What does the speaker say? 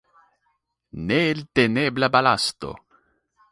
Neeltenebla balasto!